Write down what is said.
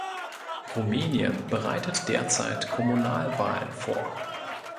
Rumänien bereitet derzeit Kommunalwahlen vor.